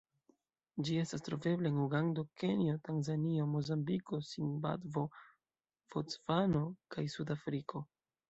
Ĝi estas trovebla en Ugando, Kenjo, Tanzanio, Mozambiko, Zimbabvo, Bocvano kaj Sud-Afriko.